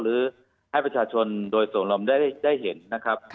หรือให้ประชาชนโดยส่วนรวมได้เห็นนะครับ